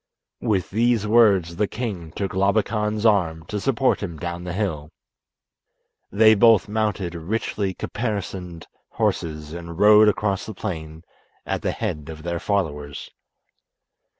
With these words the king took Labakan's arm to support him down the hill. They both mounted richly caparisoned horses and rode across the plain at the head of their followers.